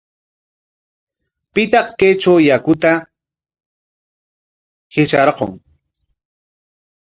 ¿Pitaq kaytraw yaku hitrarqun?